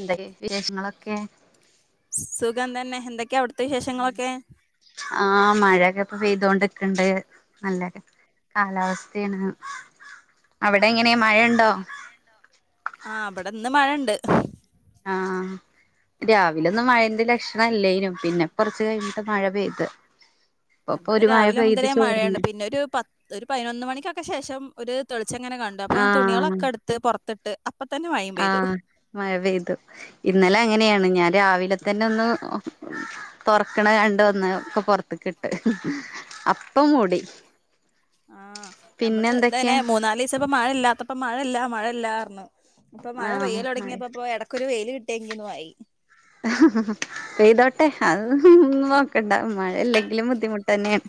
എന്തൊക്കെ വിശേഷങ്ങളൊക്കെ സുഖം തന്നെ എന്തൊക്കെ അവിടുത്തെ വിശേഷങ്ങളൊക്കെ ആഹ മഴൊക്കെ ഇപ്പൊ പെയ്തോണ്ട്ക്ക് ണ്ട് നല്ലെ കാലാവസ്ഥേ ണ് അവിടെ എങ്ങനെ മഴയുണ്ടോ ആഹ് ഇബടെ ന്ന് മഴ ണ്ട് ആഹ് രാവ വിലന്നും മഴേന്റെ ലക്ഷണം ഇ ല്ലേനു പിന്നെപ്പൊ ർ ച്ച് കഴിഞ്ഞിട്ട് മഴ പെയ്ത് ഇവിടെ പ്പപ്പൊരു മഴ രാവിലെ പെയ്ത് മുതലേ മഴയാണ് ചോർന്ന് പിന്നെ ഒരു പത്ത് ഒരു പൈ നൊന്ന് മണിക്കൊക്കെ ശേഷം ഒരു തെളിച്ചം ഇ ങ്ങനെ കണ്ടു അപ്പൊ ഞാൻ തുണികളൊക്കെ എടുത്ത് പൊർ ത്തിട്ട് ഇപ്പ തന്നെ പെയ്തു ആഹ മഴ പെയ്തു ഇന്നലെ അങ്ങനെയാണ് ഞാൻ രാവിലെ തന്നെ ഒന്ന് തൊറക്കണെ കണ്ട് വന്ന് ഒക്കെ പൊറ ത്ത് ക്കിട്ട് അപ്പൊ മൂടി ആഹ് പിന്നെ നമ്മള് ഇതന്നെ എന്തൊക്കെയാ മൂന്നാലീ സം പ്പം മഴ ഇല്ലാത്തപ്പോ മഴയില്ല മഴ ഇല്ലാർനു, അപ്പൊ മഴ ആഹ് പെയ്യൽ ഒ മഴ ടങ്ങിയപ്പൊ പ്പൊ ഇടക്കൊ ഒരു വെയ് ല് കിട്ടിയെങ്കി ന്ന് ആയി പെയ്തോട്ടെ [unintelligible] നോക്കണ്ട മഴല്ലെങ്കിലും ബുദ്ധിമുട്ട് ന്നെണ്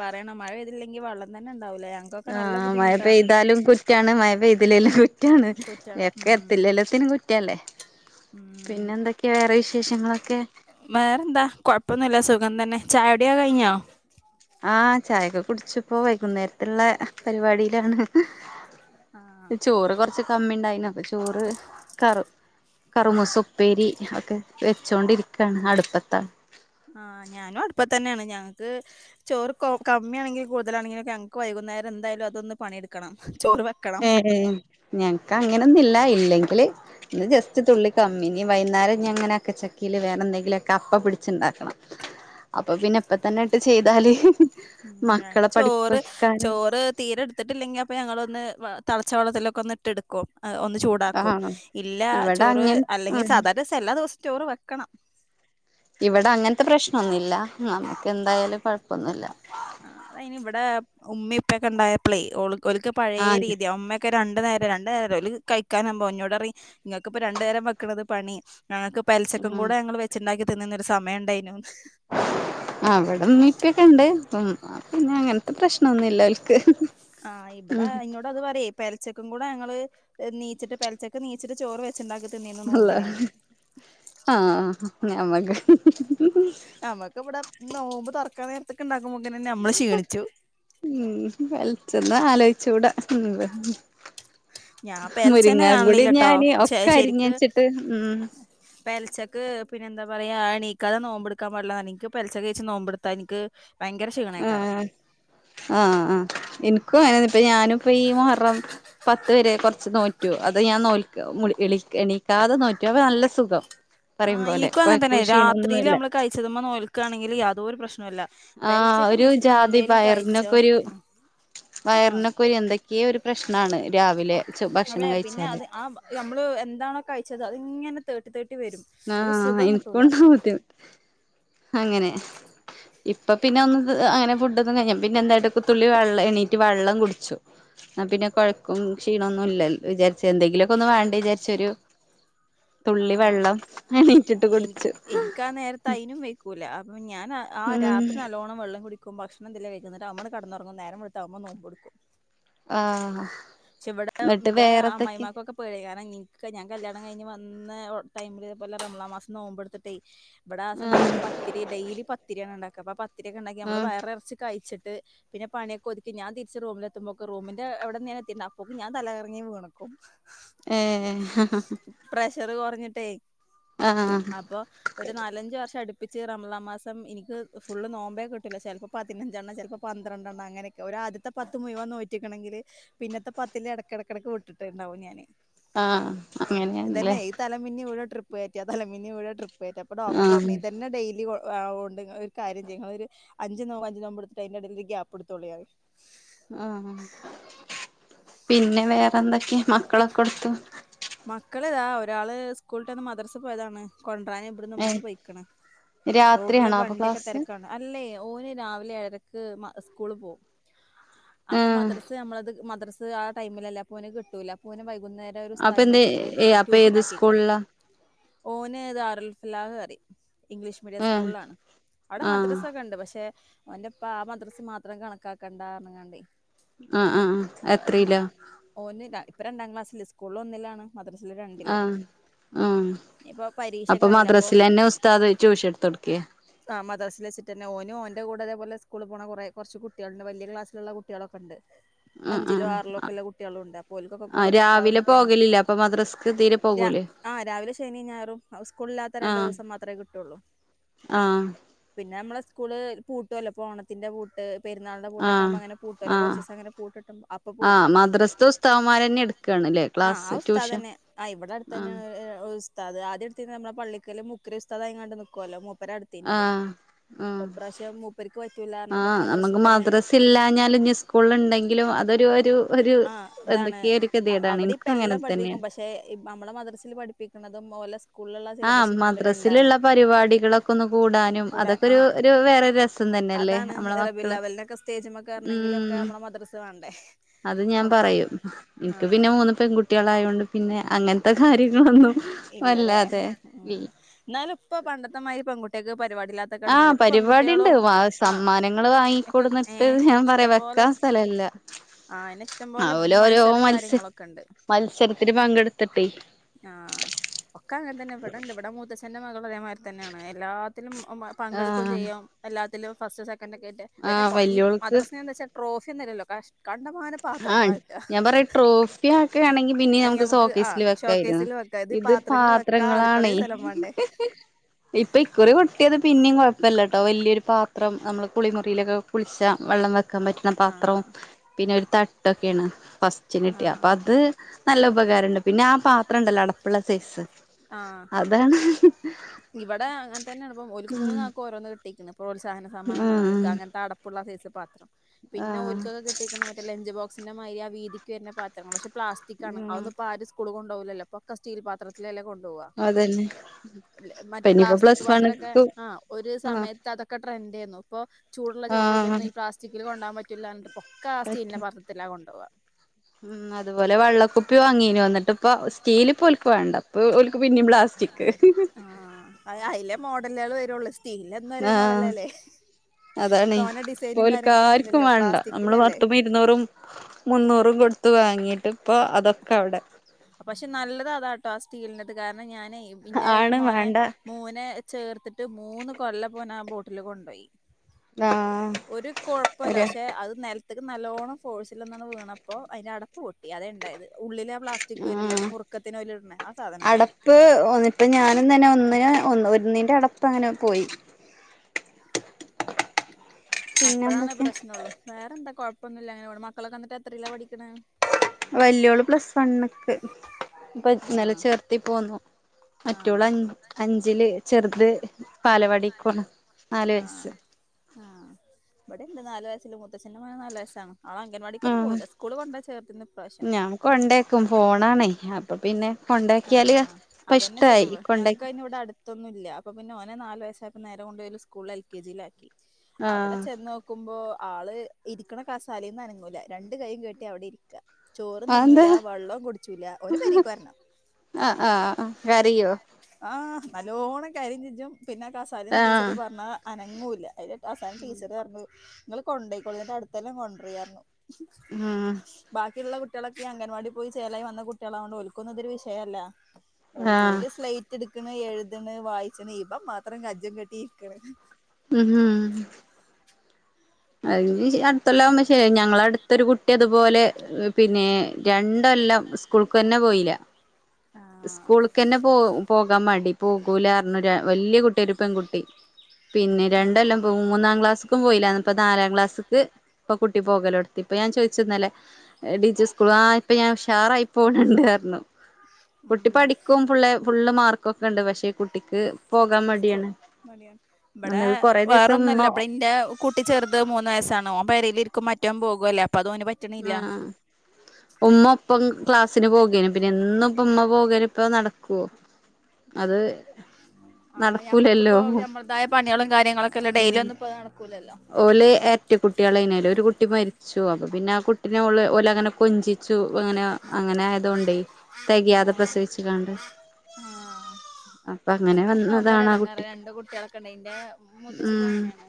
പറേ ണം മഴപെയ്തില്ലെങ്കി വള്ളം തന്നെ ഉണ്ടാവൂ ല്ലഞ ആഹ് മഴ പെയ്താലും കു കുറ്റാണ് മയ പെയ്തില്ലെ ലും കുറ്റാണ് കുറ്റ എക്ക ഉം എത്തില്ലെല്ലോത്തിനും കുറ്റല്ലേ ഉം പിന്നെ എന്തൊക്കെ വേറെ വിശേഷങ്ങളൊക്കെ? വേറെന്താ കുഴപ്പമൊന്നുമില്ല സുഖം തന്നെ ചായകുടി കഴിഞ്ഞോ? ആ ചായൊക്കെ കുടിച്ച് ഇപ്പോ വൈകുന്നേരത്തുള്ള- പരിപാടിയിലാണ് ആഹ് ചോറ് കൊർ ച്ച് കമ്മി ണ്ടായ് ന്നു ചോറ് കറു കറുമൂസ ഉപ്പേരി ഒക്കെ വെച്ചോ ണ്ടിരിക്കാ ണ് അടുപ്പത്താ ആഹ് ഞാനും അടുപ്പത്തന്നെ ണ് ഞങ്ങക്ക്- ചോറ് കൊ- കമ്മിയ ആണെങ്കി കൂടുതലാണങ്കില് ഞങ്ങക്ക് വൈകുന്നേരം എന്തായാലും അതൊന്ന് പണിയെടുക്കണം ചോറ്- വെക്കണം ഏഹ് ഞങ്ങക്ക് അങ്ങനെന്നും ഇല്ല ഇല്ലെങ്കില് ഇന്ന് ജസ്റ്റ് തുള്ളി കമ്മി ഇനി വൈന്നേരം ഇഞ്ഞി ങ്ങനെക്കെ ചക്കിൽ വേറെ ന്തെ ന്തെങ്കിലൊക്കെ അ പ്പ പിടിച്ചുണ്ടാക്കണം അപ്പൊ പിന്നെ ഇപ്പ തന്നെയിട്ട് ചീ താല് ഞങ്ങക്ക് ചോറ് ചോറ് തീരെടു- ത്തിട്ടില്ലെങ്കിൽ അപ്പ ഞങ്ങളൊന്ന് തെളച്ച വെള്ളത്തിലൊക്കെ ഒന്നിട്ട് എടുക്കും ഒ- ചൂടാക്കും ആഹ് ഇല്ല ഇവിടെ ചോറ് അങ്ങൻ അല്ലെങ്കിൽ ആഹ് സാധാരണ എല്ലാ ദിവസവും ചോറ് വെക്കണം ഇവിടെ അങ്ങനത്തെ പ്രശ്നൊന്നുല്ല നമ്മുക്ക് എന്തായാലും കുഴപ്പൊന്നുല്ല ആഹ്. അയിന് ഇവിടെ ഉമ്മി ഉപ്പൊക്കെ ഉണ്ടായ പ്പ ളേ ഓൾ ഓ ൽ ക്ക് പഴേ ആഹ് രീതിയ ഉമ്മ ക്ക രണ്ടു നേരം രണ്ടു നേരം ഓല് കഴിക്കാനാവുമ്പോ എന്നോടറിം ങ്ങക്കിപ്പോ രണ്ടു നേരം വെക്ക് ണത് പണി- ഞങ്ങക്ക് പൽ ശക്കും ഉം കൂടെ ഞങ്ങൾ വെച്ചുണ്ടാക്കി തിന്നുന്നൊരു സമയണ്ടായ് ന്നു അവിടന്ന് ഇപ്പൊക്കെ ഉണ്ട് പിന്നെ അങ്ങനത്തെ പ്രശ്നൊന്നുമല്ല ഓ ൽ ക്ക് ആഹ് ഇവിടെ എന്നോട് അത് പറിം പെൽ ച്ചക്കും കൂടെ ഞങ്ങള് നീച്ചിട്ട് പെൽ ച്ചക്ക് നീച്ചി- ച്ചി ട്ട് ചോറ് വെച്ചിണ്ടാക്കി ത്തിന്നെന്നു അള്ളാ നോമ്പിന് ആഹ് ഞമക്ക് ഞമ്മക്ക് ഇവിടെ നോമ്പ് തുറക്കാ നേരത്തക്ക ഉണ്ടാക്കുമ്പോത്ത് നന്നെ നമ്മൾ ക്ഷണിച്ചു ഉം വെൽചെണ്ണ ആലോചിച്ചുകൂടാ ഞാൻ പെലച്ചന്നെ മുരിങ്ങും കൂടി കാണലില്ലട്ടോ ഞാന് ഒക്കെ അരിഞ്ഞ് ശരിക്ക് വച്ചിട്ട് ഉം പെലച്ചക്ക് പിന്നെ എന്താ പറയാ എനിക്കത് നോമ്പെടുക്കാൻ പടില്ല എനിക്ക് പെലച്ചക്ക് കഴിച്ച് നോമ്പെടുത്താ എനിക്ക് ഭയങ്കര ക്ഷീണേക്കാരൻ ആഹ് ആഹ് ആഹ് എനിക്കും അങ്ങനെ ഇപ്പ ഞാനും ഇപ്പ ഈ മഹറം പത്ത് വരെ കുറച്ച് നോറ്റു അത് ഞാൻ നോൽ എണീക്കാതെ നോറ്റു അപ്പോ നല്ല സുഖം പറയും ആഹ് പോലെ എനിക്കും അങ്ങനെ തന്നെ കൊഴക്കും രാത്രിയില് ക്ഷീണൊന്നുല്ല നമ്മള് കഴിച്ചതുമോ നോൽക്കുകയാണെങ്കിൽ യാതോരു പ്രശ്നം ഒന്നുല്ല ആഹ് പെലച്ചക്കെ ഒരു എണീച്ചിട്ട് ജാതി എന്തേലും കഴിച്ചോ പയറിനൊക്കെ ഒരു ആഹ് വയറിനൊക്കെ ഒരു എന്തൊക്കെയോ ഒരു പ്രശ്നാണ് രാവിലെ ഭക്ഷണം അവിടെ പിന്നെ കഴിച്ചാല് അത് ആ നമ്മള് എന്താണോ കഴിച്ചത് അത് ഇങ്ങനെ തേർട്ടി തേർട്ടി വരും ഒരു ആഹ് സുഖം കിട്ടൂല എനിക്കുണ്ടാവും അങ്ങനെ ഇപ്പ പിന്നെ അതു ന്നും ക പിന്നെന്തായിട്ടൊ തത്തുള്ളി വെള്ളം എണീറ്റ് വെള്ളം കുടിച്ചും എന്ന പിന്നെ കുഴക്കും ക്ഷീണമന്നുമില്ല വിചാരിച്ച എന്തെങ്കിലൊക്കെ ഒന്ന് വേണ്ട വിചാരിച്ചൊ ഒരു ആ തുള്ളി വെള്ളം എണീറ്റിട്ട് കുടിച്ചു ക്കാൻ നേരത്തെ അതിനും വെക്കൂല അപ്പ ഞാൻ ആ ഉം രാത്രി നല്ലോണം വെള്ളം കുടി- ക്കും ഭക്ഷണം എന്തേലും കഴിക്കുംഎന്നിട്ട് നമ്മള് കിടന്നുറങ്ങും നേരം വെളുത്താവുമ്പോ മ്നോമ്പ് എടുക്കും ആഹ് പക്ഷെ ഇവിടെ എന്നിട്ട് എന്റെ വേറെത്തൊക്കെ അമ്മായിമാർക്കൊക്കെ പഴ കാരണം എനിക്ക് ഞാൻ കല്യാണം കഴിഞ് വന്ന ടൈമില് പോലെ രമളാ മാസം നോമ്പ് എടുത്തിട്ടേ ഇവിടെ ആ ആഹ് സമയത്തൊക്കെ പത്തിരി ഡെയിലി പത്തിരിയാണ് ഇണ്ടാക്ക അപ്പൊ പത്തിരിയൊക്കെ ഉണ്ടാക്കി നമ്മള് ആഹ് വയറ് നിറച്ച് കഴിച്ച്ട്ട് പിന്നെ പണിയൊക്ക ഒതുക്കി ഞാൻ തിരിച്ച് റൂമില് എത്ത്പോക്കും റൂമിന്റെവിടെന്നെ എത്തി അപ്പോഴ്ക്ക് ഞാൻ തലകറങ്ങി വീണു ഏഹ് പ്രഷറ് കൊർഞ്ഞിട്ടേ ആഹ് അപ്പൊ ഒരു നാലഞ്ച വർഷം അടുപ്പിച്ച് റമളാ മാസം എനിക്ക് ഫുള്ള് നോമ്പേ കിട്ടില്ല ചിലപ്പോ പതിനഞ്ചെണ്ണം ചിലപ്പോ പന്ത്രണ്ടെണ്ണം അങ്ങനെയൊക്കെ ഒരു ആദ്യത്തെ പത്ത് മുയുവൻ നോറ്റിക്ക്ണങ്കില് പിന്നത്തെ പത്തില്ൽ ഇടക്കിടക്കിടക്ക് വിട്ടിട്ട്ണ്ടാവും ഞാന് ആഹ് അങ്ങനെയാണല്ലേ മിനി ഉഴെ ട്രിപ്പ്യേറ്റാ അതലമിനി ഉഴെ ട്രി പ്പ്യേറ്റ അപോ ഡോക്ടർനൈ ആഹ് ഇതന്നെ ഡൈയ്ലി കൊ ആ ഒരു കാര്യം ചെയ്യ ഒരു അഞ്ചച് നോമ്പ് അഞ്ചു നോമ്പ് എടുത്തിട്ട് അതിന്റെ ഇടയിൽ ഒരു ഗ്യാപ്പ്ടുത്തോളിയറി ആഹ് പിന്നെ വേറെന്തൊക്കെയ മക്കളൊക്കെ എടുത്തു മക്കള്താ ഒരാള് സ്കൂള്ട്ടന്ന് മദ്രസ് പോയതാണ് കൊണ്ടാരാൻ ഇവിട്ന്ന് ഏഹ് ഇമ്മണ് പോയിക്ക്ണ് റോട്ടില് രാത്രിയാണോ അപ്പൊ വണ്ടിയൊക്കെ ക്ലാസ് തിരക്കാണ് അല്ലേ ഓന് രാവിലെ ഏഴരക്ക് സ്കൂള് പോകും അപ്പൊ ആഹ് മദ്രസ്സ് നമ്മളത് മദ്രസ്സ് ആ ടൈമിലല്ല പോന് കിട്ടൂല പന് വൈകുന്നേര അപ്പൊ എന്തെ അപ്പൊ ഏതു സ്കൂള്ലാ ഓന് ദാറുൽ ഫലാഹ് പറിം ഇംഗ്ലീഷ് മീഡിയം ആഹ് സ്കൂളിലാണ് അവിടെ ആഹ് മാദ്രസകണ്ട് പക്ഷെ ഓന്റെപ്പ ആഹ് മദ്രസ് മാത്രം കണക്കാക്കണ്ടാർങ്ങാണ്ടൈ ആഹ് ആഹ് വേറെ എത്രയിലാ ഓന് ഇപ്പൊ രണ്ടാം ക്ലാസ്സില് സ്കൂള്ല് ഒന്നില്ലാണ് മദ്രസില് രണ്ടില് ആഹ് ആഹ് ഇ ഇപ്പോ പരീക്ഷൊക്കെ ആയില്ല അപ്പൊ ഉസ്താത് ട്യൂഷൻ എടുത്ത് കൊടുക്കേ ആഹ് മദ്റസിൽ വെച്ചിട്ട് തന്നെ ഓനും ഓന്റെ കൂടെഅതേപോലെ സ്കൂള് പോണ കൊറെ കൊർച്ച് കുട്ടികളുണ്ട് വലിയക്ലാസിലുള്ള കുട്ടികളൊക്കെ ഉണ്ട് ആഹ് അഞ്ചിലോ ആറിലോ ആഹ് ഒക്കെല്ലെ കുട്ടിളും ഉണ്ട് അപോൽക്കൊക്കെ കൂടെ ആഹ് ഒരു ഉസ്താവ് രാവിലെ വന്നിട്ട് അങ്ങനെ ട് പോകലില്ല അപ്പൊ മദ്രസ്ക്ക് തീരെ തൊട്ക്കാ പോകൂലേ ആഹ് രാവിലെ ശനിയും ഞായറും സ്കൂളില്ലാത്ത രണ്ടു ആഹ് ദിവസം മാത്രേ കിട്ടുള്ളൂ ആഹ് പിന്നെ നമ്മളെ സ്കൂള് പൂട്ടുവല്ലോ ഇപ്പോ ഓണത്തിന്റെ പൂട്ട എ പെരുന്നാളുടെ ആഹ് പൂട്ടൊക്കെകുമ്പോ അങ്ങനെ പൂട്ടല്ലോ ആഹ് കുറച്ചി സം അങ്ങനെ പൂടൊല്ലൊ അപ്പൊ ആഹ് പോകും മദ്രസ്ത്തെ ഉസ്താദ്മാരന്നെ എടുക്കാണ്ല്ലേ ആഹ് ആ ക്ലാസ് ഉസ്താദ് ട്യൂഷൻ തന്നെ ആ ഇവിടെ അടുത്ത തന്നെ ആഹ് ത ആദ്യടു നമ്മുടെ പള്ളിക്കല് മുക്രി റി ഉസ്ത അങ്ങാണ്ട് നക്കുവല്ലോ മുക്കരടുത്ത് ആഹ് ആഹ് മൂപ്പർക്ക് പറ്റൂല പറഞ്ഞപ്പോ ആഹ് മദ്രസ നമുക്ക് തന്നെ മദ്രസിഇല്ലാ ഞാല് സ്കൂള്ണ്ടങ്കിലും അതൊരു ഒരു ഒരു ആഹ് ഇതാണ് എന്തൊക്കെരു കത്യേടാണ് ൻക്കും അങ്ങനെതന്നെ [unintelligible] അമ്മളെ മദ്രസിയിൽ പഠിപ്പിക്കുന്നതും [unintelligible] ആ സിലബസും രണ്ടും രണ്ടാണ് മദ്രസിലുള്ള പരിപാടികളൊക്കെ ഒന്ന് കൂടാനും കൂടാൻ അതൊക്കെ ഒരു ആഹ് ഒരു വേറെ [unintelligible] അതാണ് നമ്മളെ മക്കള് [unintelligible] സ്റ്റേജ്മെ കേറണെങ്കിലൊക്കെ ഉം നമ്മടെ മദ്രസ് വേണ്ടേ അത് ഞാൻ അപ്പൊ പറയും എനിക്ക് ആഹ് പിന്നെ മൂന്ന് പെൺകുട്ടികളയോണ്ട് പിന്നെ [unintelligible] [unintelligible] കാര്യങ്ങളൊന്നും വല്ലാതെ [unintelligible] ന്നാലും പ്പോ പണ്ടത്തെമാതിരി പെൺകുട്ടികക്ക് [unintelligible] ആഹ് [unintelligible] ഇപ്പൊ പരിപാടിണ്ട് പെൺകുട്ടികളും ആ സമ്മാനങ്ങള് ഏ വാങ്ങിക്കൊടുന്നിട്ട് ഞാൻ പറയാ ഇഷ്ടം പോലെ വെക്കാൻ സ്ഥലല്ല ആ ഇഷ്ടം പോലെ ഓല് ഓരോ മത്സരവും മത്സ കാര്യങ്ങളൊക്കെ ഉണ്ട് മത്സരത്തിന് പങ്കെടുത്തിട്ടെ ആ ഒക്കെ ങ്ങനെതന്നെ ഇവിടെണ്ട് ഇവിടെ മൂത്തച്ഛ്ന്റെ മകൾ അതേമാതിരി തന്നെയാണ് എല്ലാത്തിലും [unintelligible] പങ്കെടുക്കുകയും ആഹ് ചെയ്യാം എല്ലാത്തിലും ഫസ്റ്റ് സെക്കൻഡ ഒക്കെ ഇട്ട് അതെ ആഹ് ഈ വല്യോൾക്ക് മദ്രസെ എന്താ വെച്ചാ [unintelligible] ആ ഞാൻ പറയാ ട്രോഫി ആക്കെ ആണെങ്കിൽ അത് പിന്നേം നമുക്ക് ആ [unintelligible] [unintelligible] ഷോക്കേസിൽ വെക്കാം ഇത് പാത്രങ്ങൾ വെക്കാ പാത്രങ്ങളാണ അടുക്കളയിൽ സ്ഥലം വേണ്ടേ ഇപ്പൊ ഇക്കുറി കിട്ടിയത് പിന്നെയും കുഴപ്പല്ലട്ടോ വല്ല്യോരു പാത്രം നമ്മള് കുളിമുറിയിലൊക്കെ കുളിച്ച വെള്ളം വെക്കാൻ പറ്റുന്ന പാത്രവും ആഹ് പിന്നെ [unintelligible] [unintelligible] ഫസ്റ്റ് കിട്ടിയ ആഹ് അപ്പത് നല്ല ഉപകാരണ്ട് പിന്നെ ആ പാത്ര ണ്ടല്ലോ അടപ്പുള്ള സൈസ് ആഹ് അതാണ് [unintelligible] ഒൽക്ക് മൂന്നാക്കും ഓരോന്ന് കിട്ടിക്കുന്നു പ്രോത്സാഹന സമാനം [unintelligible] ആഹ് അങ്ങനത്തെ അടപ്പുള്ള സൈസ് പാത്രം പിന്നെ ആഹ് ഒരിക്കക്കൊക്കെ [unintelligible] [unintelligible] മറ്റ ലഞ്ച്ബോക്സിന്റെ മാതിരി ആ വീതിക്ക് വരുന്ന പാത്രങ്ങൾ പക്ഷെ പ്ലാസ്റ്റിക്ക ആണ് അതു ഉം ഒന്ന് പ്പോ [unintelligible] [unintelligible] പ്പോ ഒക്കെ സ്റ്റീൽ പത്രത്തിൽ അല്ലെ കൊണ്ടോവാ അതന്നെ മറ്റ പിന്നിപ്പോ പ്ലാസ്റ്റിക് പ്ലസ് പാത്രൊക്കെ വണ്ണ്ക്ക് ആ ഒരു ആഹ് സമയത്ത് [unintelligible] ഒക്കെ ട്രെൻഡ് ആയിന്നു പ്പോ ചൂടുള്ള ആഹ് ചോറോതൊന്നും പ്ലാസ്റ്റിക് ൽ കൊണ്ടാൻ പറ്റില്ല എന്ന പൊക്ക പറ്റും [unintelligible] [unintelligible] കൊണ്ടോവാ ഉം അതുപോലെ വെള്ളക്കുപ്പി വാങ്ങീന് ന്നിട്ട് ഇപ്പ സ്റ്റീല ഒൽക്ക് വേണ്ട [unintelligible] ഒൽക്ക് പിന്നിം പ്ലാസ്റ്റിക് [inaudible] ആ അതിലെ മോഡലുകള് വരുള്ളൂ [unintelligible] [unintelligible] ഒരേ മോഡലല്ലേ അതാണ് തോനെ പോ ഡിസൈനും ഒൽക്ക് കാര്യങ്ങളൊന്നും ആർക്കും ഇല്ലല്ലോ വേണ്ട നമ്മള് പ്ലാസ്റ്റിക്കിലല്ലേ [unintelligible] [unintelligible] മുന്നൂറും കൊടുത്ത് വാങ്ങിയിട്ട് പ്പോ അതൊക്കെ അവടെ പക്ഷെ നല്ലത് അതാ ട്ടോ ആ സ്റ്റീലന്റെത് കാരണം ഞാൻ ഇന്റെ ഈ ആണ് മോനെ വേണ്ട മോനെ ചേർത്തിട്ട് മൂന്ന് കൊല്ലം മോനാ ആ ബോട്ടിൽ കൊണ്ടോയി ആഹ് ഒരു കുഴപ്പല്ലോ ഒര് പക്ഷെ അത് [unintelligible] [unintelligible] നല്ലോണം ഫോഴ്സിൽ [unintelligible] വീണപ്പോ അതി്ന്റെ അടപ്പ് പൊട്ടി അതെ ഉണ്ടായത് [unintelligible] [unintelligible] വരുല്ല ആഹ് ഒരു മുറുക്കത്തിന് [unintelligible] ഇടണ ആ സാധനം പൊട്ടി അപ്പൊ ഞാനും തന്നെ ഒന്നിന് ഒന്ന് ഒന്നിന്റെ അടപ്പ് അങ്ങനെ പോയി പിന്നെ അപ്പോഴാണ് എന്തൊക്കെ പ്രശ്നള്ളു വേറെ എന്താ കൊഴപ്പൊന്നു ല്ല ങ്ങനെ പോണ് മക്കളൊക്കെ ന്നട്ട് എത്രല്ല പഠിക്കണ വലിയോള് പ്ലസ് വണ്ക്ക് ഇപ്പൊ ഇന്നലെ ചേർത്തി പോന്നു ആ [unintelligible] അഞ്ചിൽ ചെർത് ബാലവാടി പോണ് ആ ആ ഇവിടെ ണ്ട് നാല് വയസ്സല്ല മുത്തച്ഛൻന്റെ മോൻ നാല് വയസ്സാണ് ആള് അംഗൻവാടിക്കൊന്നും ആഹ് പോവൂല സ്കൂൾ കൊണ്ട ചേർത്ത്കണ് ഇപ്രാവശ്യം ഞാൻ കൊണ്ടേക്കും [unintelligible] അപ്പൊ പിന്നെ കൊണ്ടാക്കിയാല് ആഹ് ഇപ്പ ഇഷ്ടയി [unintelligible] [unintelligible] അപ്പോ പിന്നെ ഓനെ നാല് വയസായപ്പോ നേരെ കൊണ്ട് ഒരു സ്കൂളിൽ എൽകെജില് ആക്കി അവിടെ ആഹ് [unintelligible] [unintelligible] ആള് ഇരിക്കണ കസാലേന്ന് അനങ്ങൂല രണ്ട് കൈയും കേട്ടി അവിടെ ഇരിക്കാ ചോറും അതെന്താ നിന്നൂല്ല വെള്ളം കുടിച്ചൂല [unintelligible] പെരിക്ക് വരണം ആ ആ ആ കരയോ ആഹ് നല്ലോണ്ണം കരിം ചെജ്ജും പിന്നെ കസാലിന്ന് ടീച്ചർ ആഹ് പറഞ്ഞ അനങ്ങൂല്ല [unintelligible] അസാനം ടീച്ചർ പറഞ്ഞു നിങ്ങള് കൊണ്ട പോയിക്കോള നിന്റെ അടുത്തല്ലാം കൊണ്ടുപോയിനി ആഹ് ബാക്കിയുള്ള കുട്ടികളൊക്കെ അംഗൻവാടി പോയി ചേലായി വന്ന കുട്ടികളൊണ്ട് ഒൽക്കുന്നതൊരു വിഷയമല്ല ഓ ആഹ് ഒരുര് സ്ലൈറ്റ് എടുക്കണ് എഴുതണ് വായിച്ചണ് ഇപ്പം മാത്രം കജ്ജും കെട്ടിരിക്കണ് ഉം ഉം അതിന് അടുത്തുള്ള [unintelligible] ഞങ്ങള അടുത്തൊരു കുട്ടി അതുപോലെ പിന്നെ രണ്ടെല്ലാ സ്കൂൾക്ക് തന്നെ പോയില്ല ആഹ് സ്കൂളക്ക്ന്നെ പോ പോകാൻ മടി പോകൂലാരഞ്ഞ വല്യ കുട്ടിയ ഒരു പെൺകുട്ടി പിന്നെ രണ്ടെല്ലാം പോകും മൂന്നാം ക്ലാസ്സക്കും പോയില്ല അപ്പ നാലാം ക്ലാസ്ക്ക് ഇപ്പൊ കുട്ടി പോകലോടുത്തി ഇപ്പൊ ഞാൻ ചോദിച്ചിരുന്നല്ലേ [unintelligible] സ്കൂ ആഹ് ഇപ്പൊ ഞാൻ ഉഷാറായി പോകണ്ണ്ട് പടഞ്ഞു [inaudible] കുട്ടി പഠിക്കും ഫുള്ളെ ഫുള്ള് മാർക്കൊക്കെ ഉണ്ട് പക്ഷെ കുട്ടിക്ക് പോകാൻ മടിയാണ് സ്കൂള് മടിയാണ് ഇവിടെ [unintelligible] കൊറേ ദിവസം വേറൊന്നല്ല ഇവിടെ ഇന്റെ കുട്ടി ചെറത് മൂന്നന്ന് വയസ ഓ പരല ഇരിക്കും മറ്റോ പോകല്ലേ ഓ അതോ ആഹ് [inaudible] ഉമ്മ ഒപ്പം ക്ലാസിന് പോകേനും പിന്നെ എന്നും ഇപ്പ ഉമ്മ പോകാന ഇപ്പ നടക്കുവോ അത് നടക്കൂലല്ലോ അതായ പണികളും കാര്യങ്ങളൊക്കെല്ല ഡെയിലി ഒന്ന് ഇപ്പോ നടക്കൂല്ലല്ലോ ഓല ഏറ്റ കുട്ടികളനാലും ഒരു കുട്ടി മരിച്ചു അപ്പ പിന്നെ ആഹ് കുട്ടിനെഓല അങ്ങനെ കൊഞ്ചിച്ചു അങ്ങനെ അങ്ങനെ ആയതു കൊണ്ട് തികയാതെ ആഹ് പ്രസവിച്ച് കണ്ടെ അങ്ങനെക്കെയകുമ്പോ ഒരു ഇടങ്ങേറ് രണ്ട് കുട്ടികളൊക്കെ ഉണ്ട് ഇന്റെ മൂത്തശിക്ക് ഉം അങ്ങനെയാണ്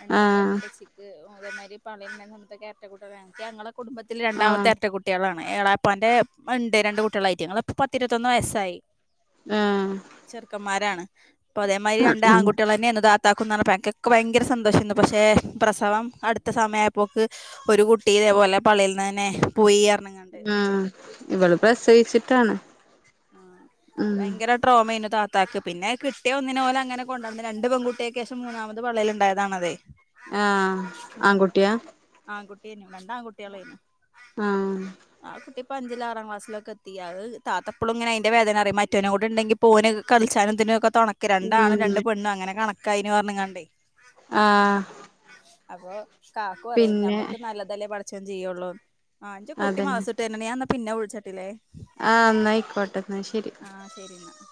രണ്ടാമത്തെ ആഹ് മുത്തച്ച്ചിക്ക് അതേമാതിരി പളിങ്ങന നമത്തെ കേരറ്റ കൂട്ടികളാണ്‌ ഞങ്ങളെ കുടുംബത്തി ത്തിൽ രണ്ടാമത്തെ ആഹ് എരട്ട കുട്ടികളാണ് ഏളാപ്പാൻ്റെ ഉണ്ട് രണ്ട് കുട്ടികളായിട്ട് ഞങ്ങള്പ്പ് പത്തിരുപത്തൊന്ന് വയസ്സായി ആഹ് ചെറുക്കന്മാരാണ് അപ്പൊ അതേമാതിരി രണ്ട് ആഹ് ആൺകുട്ടികൾ തന്നെ എന്നതാ ത്താക്കും എന്നാണ് പക്കൊക്കെ ഭയങ്കര സന്തോഷുരുന്നു പക്ഷേ പ്രസവം അടുത്ത സമയമായപ്പോക്ക് ഒരു കുട്ടി ഇതേപോലെ പള്ളയിൽ നിന്ന് തന്നെ പോയി ഇറണങ്ങ ഉം ഇവള് പ്രസയിച്ചിട്ടാണ് ആഹ് ഭയങ്കര ട്രോമെന് താത്താക്ക് പിന്നെ കിട്ടിയ ഒന്നിനെ പോലെ അങ്ങനെ കൊണ്ട് വന്ന രണ്ട് പെൺകുട്ടിയൊക്കെയായ ശേഷം മൂന്നാമത് പളളയില് ഉണ്ടായതാണതെ ആഹ് അപ്പൊ പിന്നെ ആൺകുട്ടിനെ രണ്ട് ആൺകുട്ടികളെനെ ആഹ് ആഹ് കുട്ടിപ്പ അഞ്ചില് ആറാം ക്ലാസ്സിലൊക്കെത്തി യാത് താത്ത അപ്പോളിങ്ങനെ അതിൻ്റെ വേദന അറിയാം മറ്റനോട്ണ്ടെങ്കില് പോന് കളിച്ചാനെന്തിനൊക്കെ തുണക്ക് രണ്ടാണ് ഉം രണ്ട് പെണ്ണാണ്‌ അങ്ങനെകണാ കൈഞ്ഞ് പറഞ്ഞങ്ങണ്ടേ ആഹ് അപ്പൊ കാക്കു പറയും പിന്നെ ഞമ്മക്ക് നല്ലതല്ലേ പടച്ചോൻ ചെയ്യുള്ളൂന്ന് ആഹ് അന്ഞ്ച് കുട്ടി അതന്നെ മാദ്രസ്സ വിട്ടു വരണുണ്ടു ഞാ എന്നാ പിന്നെ വിളിച്ചട്ടില്ലേ ആഹ് എന്നയിക്കോട്ടെ എന്നാ ശരി ശരിയെന്നാ